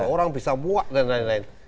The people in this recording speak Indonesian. orang bisa muak dan lain lain